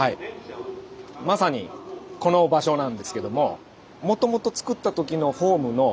まさにこの場所なんですけども。